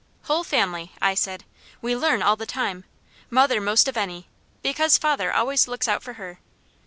"Whole family," I said. "We learn all the time, mother most of any, because father always looks out for her.